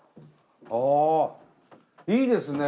ああいいですね。